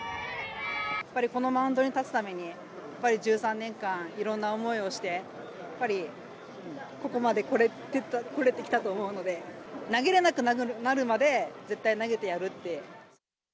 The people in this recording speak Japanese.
やっぱりこのマウンドに立つために、やっぱり１３年間、いろんな思いをして、やっぱりここまでこれてきたと思うので、投げれなくなるまで、絶対投げてやるって。